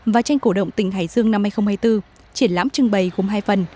và tranh cổ động tỉnh hải dương năm hai nghìn hai mươi bốn triển lãm trưng bày gồm hai phần